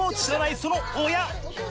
知らないその親！